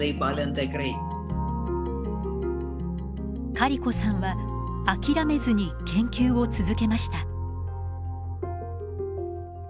カリコさんは諦めずに研究を続けました。